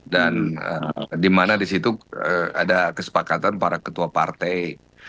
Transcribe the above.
dan di mana di situ ada kesepakatan para ketua partai